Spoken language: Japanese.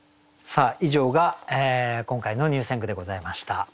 さあ以上が今回の入選句でございました。